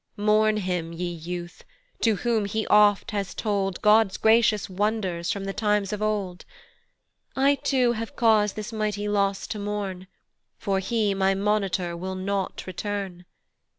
"Mourn him, ye youth, to whom he oft has told "God's gracious wonders from the times of old. "I too have cause this mighty loss to mourn, "For he my monitor will not return.